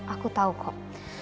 aku tahu kok